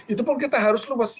itu pun kita harus luas